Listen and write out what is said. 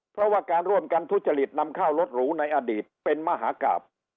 เพราะว่าการร่วมกันทุจริตนำข้าวรถหรูในอดีตเป็นมหากราบ